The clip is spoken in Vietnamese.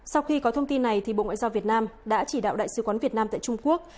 sau khi có thông tin này bộ ngoại giao việt nam đã chỉ đạo đại sứ quán việt nam tại trung quốc